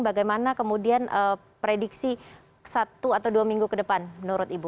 bagaimana kemudian prediksi satu atau dua minggu ke depan menurut ibu